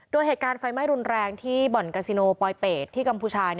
โดยเหตุการณ์ไฟไหม้รุนแรงที่บ่อนกาซิโนปลอยเป็ดที่กัมพูชา